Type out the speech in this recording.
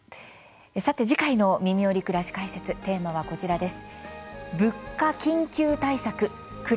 さて、次回の「みみより！くらし解説」テーマは、こちらです。